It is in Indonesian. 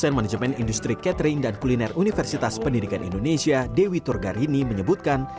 manajemen industri catering dan kuliner universitas pendidikan indonesia dewi turgarini menyebutkan